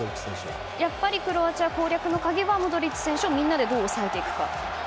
やっぱりクロアチア攻略の鍵はモドリッチ選手をみんなでどう抑えていくかですか。